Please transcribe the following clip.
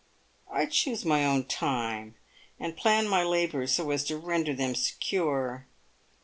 I choose my own time, and plan my labours so as to render them secure.